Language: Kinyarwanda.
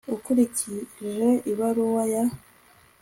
Ukurikije ibaruwa yawe